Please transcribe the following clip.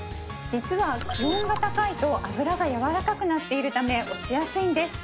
実は気温が高いと油がやわらかくなっているため落ちやすいんです